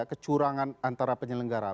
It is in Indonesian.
kecurangan antara penyelenggara